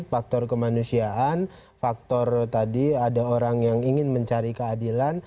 faktor kemanusiaan faktor tadi ada orang yang ingin mencari keadilan